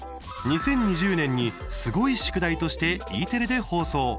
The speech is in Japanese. ２０２０年に「すごい宿題」としてＥテレで放送。